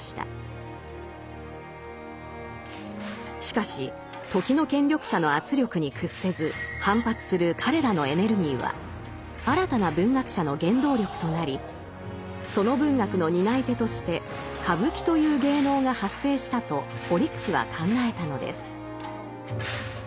しかし時の権力者の圧力に屈せず反発する彼らのエネルギーは新たな文学者の原動力となりその文学の担い手として歌舞伎という芸能が発生したと折口は考えたのです。